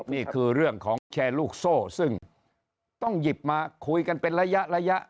นี่คือเรื่องของแชร์ลูกโซ่ซึ่งต้องหยิบมาคุยกันเป็นระยะระยะ